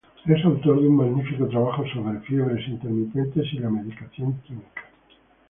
Es autor de un magnífico trabajo sobre fiebres intermitentes y la medicación química.